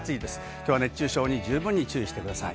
きょうは熱中症に十分に注意してください。